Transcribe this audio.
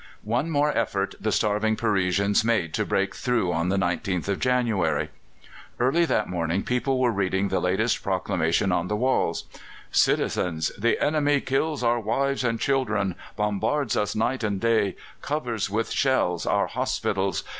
One more effort the starving Parisians made to break through on the 19th of January. Early that morning people were reading the latest proclamation on the walls: "Citizens, the enemy kills our wives and children, bombards us night and day, covers with shells our hospitals.